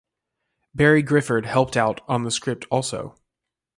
Barry Gifford helped out on the script also.